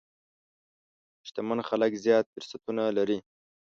شتمن خلک زیات فرصتونه لري.